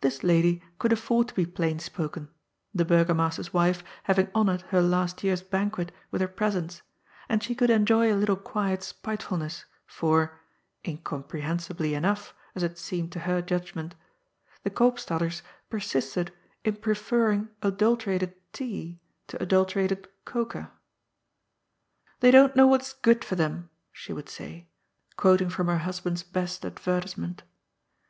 This lady could afford to be plain spoken, the Burgo master's wife having honoured her last year's banquet with her presence, and she could enjoy a little quiet spitefulness, for — ^incomprehensibly enough, as it seemed to her judg ment — ^the Eoopstaders persisted in preferring adulterated tea to adulterated cocoa. '' They don't know what is good for them," she would say, quoting from her husband's best advertisement.